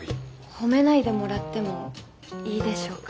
褒めないでもらってもいいでしょうか。